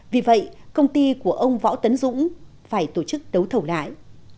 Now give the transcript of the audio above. vì vậy công ty của ông võ tấn dũng phải tổ chức đấu thầu lại